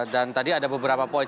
dan tadi ada beberapa poin